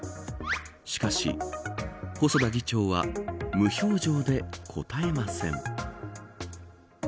しかし細田議長は無表情で答えません。